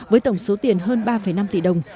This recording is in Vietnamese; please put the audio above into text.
với tổng số tiền hơn ba năm tỷ đồng